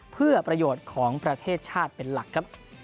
เพื่อประโยชน์ของประเทศชาติเป็นหลักครับ